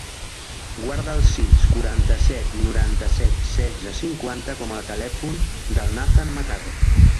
Guarda el sis, quaranta-set, noranta-set, setze, cinquanta com a telèfon del Nathan Macarro.